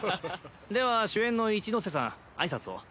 では主演の一ノ瀬さん挨拶を。